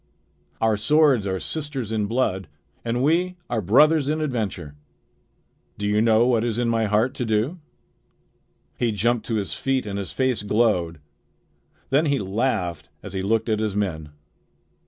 Our swords are sisters in blood, and we are brothers in adventure. Do you know what is in my heart to do?" He jumped to his feet, and his face glowed. Then he laughed as he looked at his men.